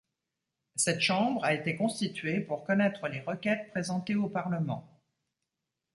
Cette chambre a été constituée pour connaitre les requêtes présentées au parlement.